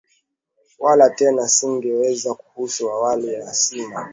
Wala tena singewaza, kuhusu wali na sima,